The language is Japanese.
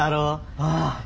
ああ。